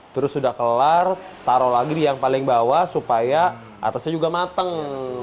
terus sudah kelar taruh lagi di yang paling bawah supaya atasnya juga matang